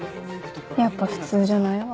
やっぱ普通じゃないわ。